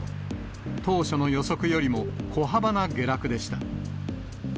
当初の予測よりも小幅な下落でした。